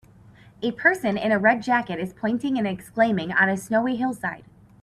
A person in a red jacket is pointing and exclaiming on a snowy hillside